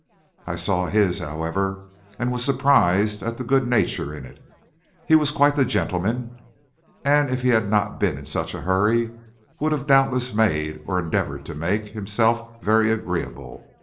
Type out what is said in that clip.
I saw his, however, and was surprised at the good nature in it. He was quite the gentleman, and if he had not been in such a hurry, would have doubtless made, or endeavored to make, himself very agreeable.